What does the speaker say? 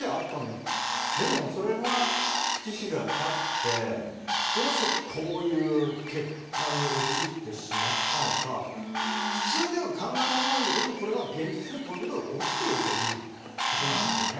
でもそれが月日がたってどうしてこういう結果に陥ってしまったのか普通では考えられないんだけどもこれが現実にこういうことが起きているということなんですよね。